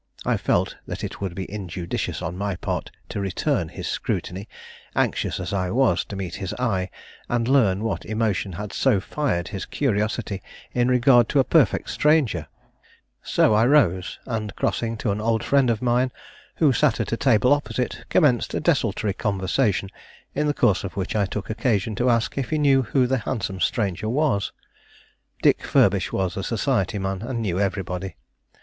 I felt that it would be injudicious on my part to return his scrutiny, anxious as I was to meet his eye and learn what emotion had so fired his curiosity in regard to a perfect stranger; so I rose, and, crossing to an old friend of mine who sat at a table opposite, commenced a desultory conversation, in the course of which I took occasion to ask if he knew who the handsome stranger was. Dick Furbish was a society man, and knew everybody.